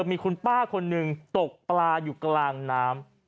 มีคุณป้าคนหนึ่งตกปลาอยู่กลางน้ำ